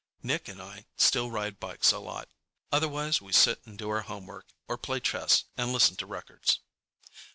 Nick and I still ride bikes a lot. Otherwise we sit and do our homework or play chess and listen to records.